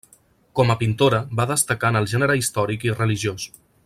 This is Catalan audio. Com a pintora va destacar en el gènere històric i religiós.